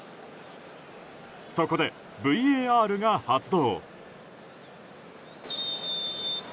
そこでＶＴＲが発動。